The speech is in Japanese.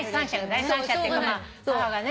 第三者っていうか母がね。